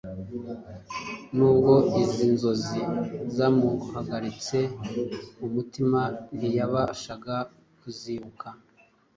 Nubwo izi nzozi zamuhagaritse umutima, ntiyabashaga kuzibuka.